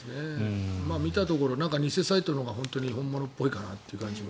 見たところ偽サイトのほうが本物っぽいかなという感じも。